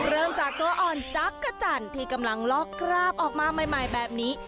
เริ่มจากตัวอ่อนจักรจันทร์ที่กำลังลอกคราบออกมาใหม่แบบนี้